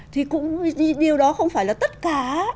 thì cũng điều đó không phải là tất cả